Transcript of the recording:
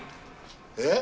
え？